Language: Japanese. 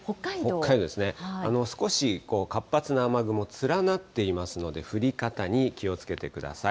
北海道ですね、少し活発な雨雲、連なっていますので、降り方に気をつけてください。